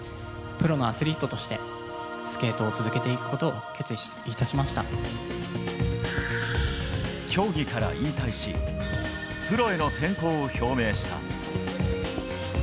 プロのアスリートとして、スケートを続けていくことを決意いたし競技から引退し、プロへの転向を表明した。